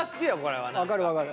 分かる分かる。